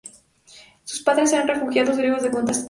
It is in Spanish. Sus padres eran refugiados griegos de Constantinopla.